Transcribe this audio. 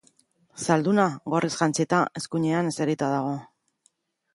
Zalduna, gorriz jantzita, eskuinean eserita dago.